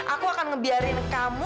aku akan ngebiarin kamu